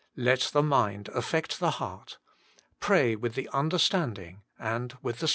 Let the mind affect the heart. Pray with the understanding and with the spirit.